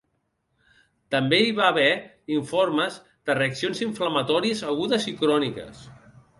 També hi va haver informes de reaccions inflamatòries agudes i cròniques.